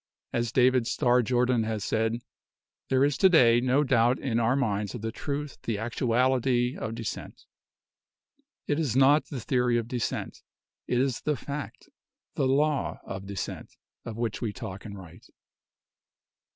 As David Starr Jordan has said: "There is to day no doubt in our minds of the truth, the actuality, of descent. It is not the theory of descent: it is the fact, the law, of descent, of which we talk and write.